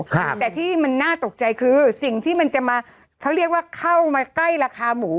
แต่ที่มันน่าตกใจคือสิ่งที่มันจะมาเขาเรียกว่าเข้ามาใกล้ราคาหมู